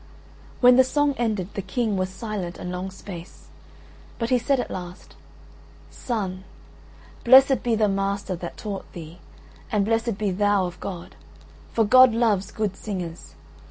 When the song ended, the King was silent a long space, but he said at last: "Son, blessed be the master that taught thee, and blessed be thou of God: for God loves good singers.